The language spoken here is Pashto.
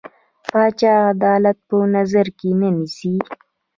پاچا عدالت په نظر کې نه نيسي.